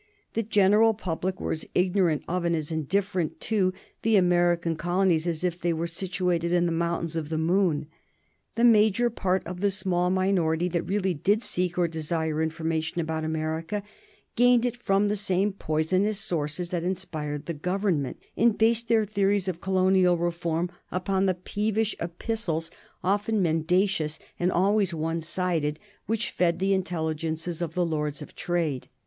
The general public were as ignorant of and as indifferent to the American colonies as if they were situated in the mountains of the moon. The major part of the small minority that really did seek or desire information about America gained it from the same poisonous sources that inspired the Government, and based their theories of colonial reform upon the peevish epistles, often mendacious and always one sided, which fed the intelligences of the Lords of Trade.